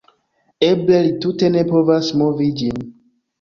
Eble li tute ne povas movi ĝin